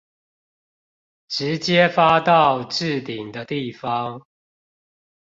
直接發到置頂的地方